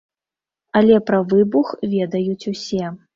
Але пра выбух ведаюць усе.